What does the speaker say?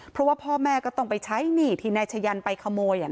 เพราะว่าพ่อแม่ก็ต้องไปใช้หนี้ที่นายชะยันไปขโมย